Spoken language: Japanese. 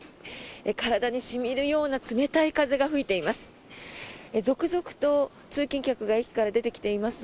体に染みるような冷たい風が吹いています。